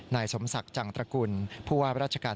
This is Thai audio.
นายสมศักดิ์จังตระกุลผู้ว่าราชการ